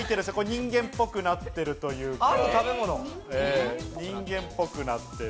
人間ぽくなってるというか。